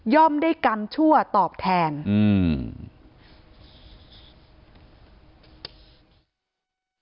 ได้กรรมชั่วตอบแทนอืม